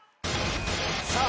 さあ